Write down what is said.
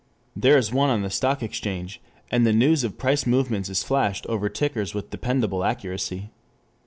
There is one on the stock exchange, and the news of price movements is flashed over tickers with dependable accuracy.